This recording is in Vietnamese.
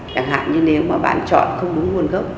chẳng hạn như nếu mà bạn chọn không đúng nguồn gốc